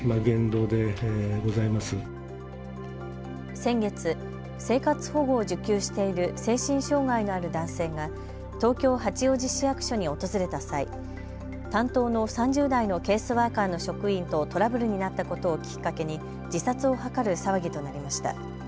先月、生活保護を受給している精神障害のある男性が東京八王子市役所に訪れた際、担当の３０代のケースワーカーの職員とトラブルになったことをきっかけに自殺を図る騒ぎとなりました。